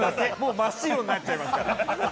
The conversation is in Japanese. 真っ白になっちゃいますから。